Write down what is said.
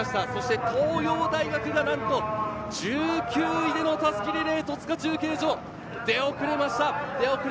東洋大学がなんと１９位での襷リレー、戸塚中継所、出遅れました。